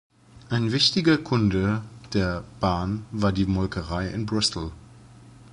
Ein wichtiger Kunde der Bahn war die Molkerei in Bristol.